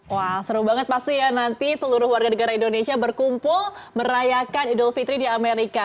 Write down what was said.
wah seru banget pasti ya nanti seluruh warga negara indonesia berkumpul merayakan idul fitri di amerika